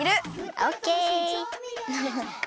オッケー！